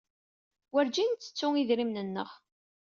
Werjin nttettu idrimen-nneɣ.